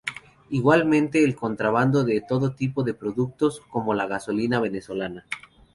Igualmente, el contrabando de todo tipo de productos, como la gasolina venezolana.